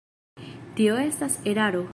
Tio estas eraro.